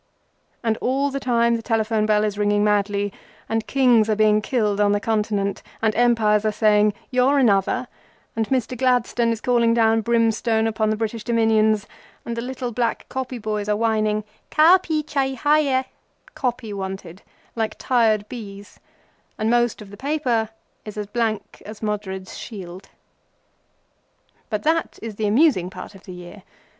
And, all the time, the telephone bell is ringing madly, and Kings are being killed on the Continent, and Empires are saying, "You're another," and Mister Gladstone is calling down brimstone upon the British Dominions, and the little black copy boys are whining, "kaa pi chayha yeh" (copy wanted) like tired bees, and most of the paper is as blank as Modred's shield. But that is the amusing part of the year.